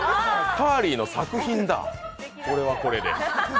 カーリーの作品だ、これはこれで。